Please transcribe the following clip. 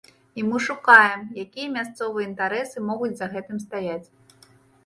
І мы шукаем, якія мясцовыя інтарэсы могуць за гэтым стаяць.